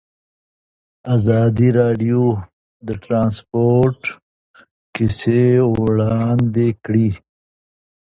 ازادي راډیو د ترانسپورټ کیسې وړاندې کړي.